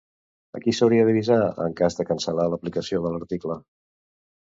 A qui s'hauria d'avisar en cas de cancel·lar l'aplicació de l'article?